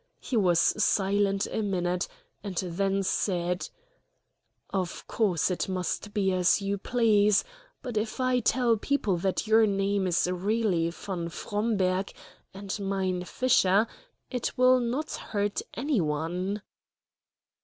He was silent a minute and then said: "Of course it must be as you please, but if I tell people that your name is really von Fromberg and mine Fisher it will not hurt any one."